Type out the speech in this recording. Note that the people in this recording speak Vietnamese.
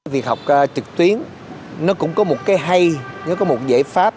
việc học trực tuyến nó cũng có một cái hay nó có một giải pháp